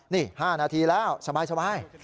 นี่๕นาทีแล้วสบาย